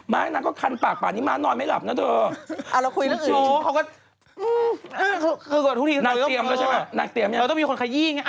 ้านางก็คันปากป่านนี้ม้านอนไม่หลับนะเธอ